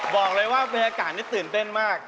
บอกเลยว่าเป็นอากาศที่ตื่นเต้นมาก